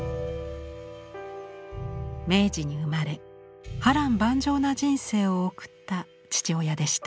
明治に生まれ波乱万丈な人生を送った父親でした。